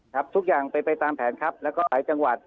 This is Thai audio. ทุกอย่างเป็นไปตามแผนครับแล้วก็หลายจังหวัด